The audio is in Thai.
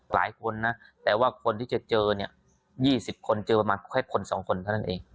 หลายคนนะแต่ว่าคนที่จะเจอเนี่ย๒๐คนเจอประมาณแค่คน๒คนเท่านั้นเอง